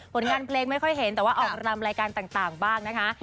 ผลงานเพลงไม่ค่อยเห็นแต่ว่าออกรำรายการต่างบ้างนะคะ